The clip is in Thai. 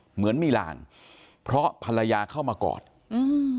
เหมือนมีลางเพราะภรรยาเข้ามากอดอืม